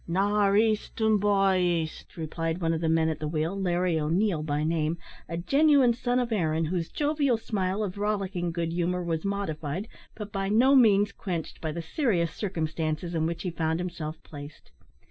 "Nor' east an' by east," replied one of the men at the wheel, Larry O'Neil by name a genuine son of Erin, whose jovial smile of rollicking good humour was modified, but by no means quenched, by the serious circumstances in which he found himself placed.